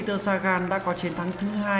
peter sagan đã có chiến thắng thứ hai